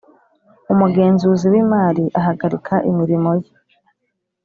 Umugenzuzi w’imari ahagarika imirimo ye